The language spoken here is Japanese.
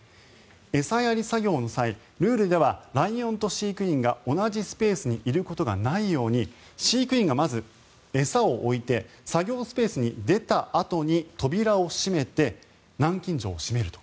餌やり作業の際、ルールではライオンと飼育員が同じスペースにいることがないように飼育員がまず餌を置いて作業スペースに出たあとに扉を閉めて南京錠を閉めると。